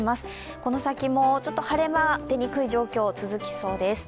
この先も晴れ間、出にくい状況続きそうです。